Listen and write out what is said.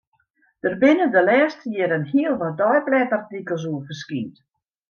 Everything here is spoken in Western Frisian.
Dêr binne de lêste jierren hiel wat deiblêdartikels oer ferskynd.